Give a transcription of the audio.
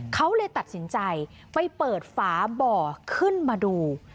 เขาเลยตัดสินใจไปเปิดฝาบ่อขึ้นมาดู